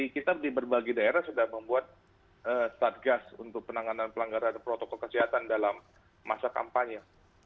kita di berbagai daerah sudah membuat satgas untuk penanganan pelanggaran protokol kesehatan dalam masa kampanye